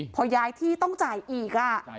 พอย้ายที่ต้องจ่ายอีก